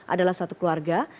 adalah satu keluarga